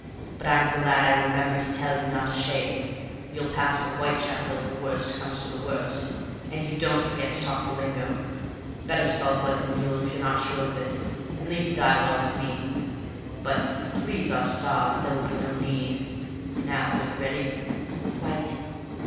But I'm glad I remembered to tell you not to shave. You'll pass for Whitechapel if the worst comes to the worst and you don't forget to talk the lingo. Better sulk like a mule if you're not sure of it, and leave the dialogue to me; but, please our stars, there will be no need. Now, are you ready?" "Quite."